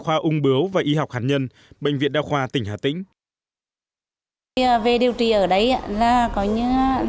khoa ung bứu và y học hạt nhân bệnh viện đa khoa tỉnh hà tĩnh